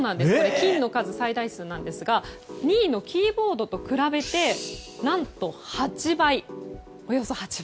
菌の数の最大数ですが２位のキーボードと比べて何と、およそ８倍。